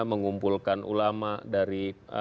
mengumpulkan ulama dari